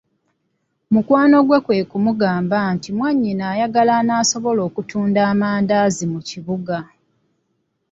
Mukwano gwe kwe kumugamba nti mwannyina ayagala omuntu anaasobola okutunda amandaazi mu kibuga.